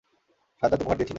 সাজ্জাদ উপহার দিয়েছিল।